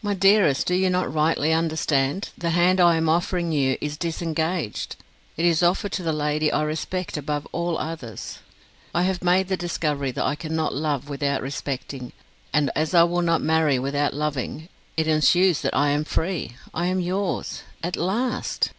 "My dearest! do you not rightly understand? The hand I am offering you is disengaged. It is offered to the lady I respect above all others. I have made the discovery that I cannot love without respecting; and as I will not marry without loving, it ensues that I am free I am yours. At last?